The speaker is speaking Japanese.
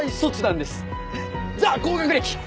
ザ・高学歴！